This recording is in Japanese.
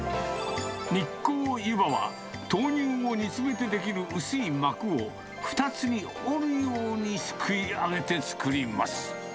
日光ゆばは、豆乳を煮詰めて出来る薄い膜を、２つに折るようにすくいあげて作ります。